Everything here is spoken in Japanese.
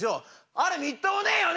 あれみっともねえよね！